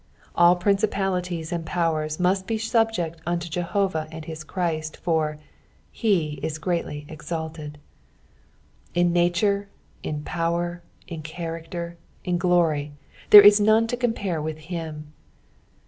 All principalitieB and powers must be subject unto Jehovah and bis Christ, for " Se it greatly eaalttd." In nature, in power, in character, in glory, there is none to compare with him.